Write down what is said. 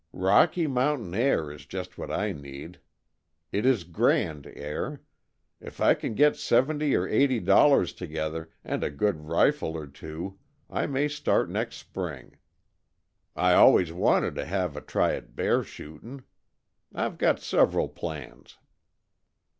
Rocky Mountain air is just what I need. It is grand air. If I can get seventy or eighty dollars together, and a good rifle or two, I may start next spring. I always wanted to have a try at bear shootin'. I've got sev'ral plans."